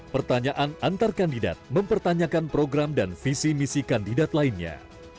pertanyaan antar kandidat mempertanyakan program dan visi misi kandidat lainnya